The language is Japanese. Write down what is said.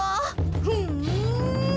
ふん！